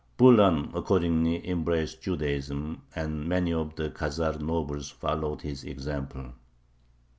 Bulan accordingly embraced Judaism, and many of the Khazar nobles followed his example.